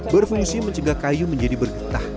berfungsi mencegah kayu menjadi bergetah